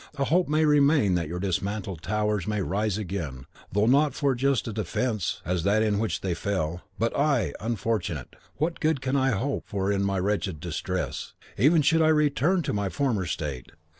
A hope may remain that your dismantled towers may rise again, though not for so just a defence as that in which they fell; but I, unfortunate! what good can I hope for in my wretched distress, even should I return to my former state?